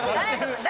誰？